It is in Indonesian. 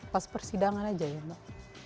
pas persidangan aja ya mbak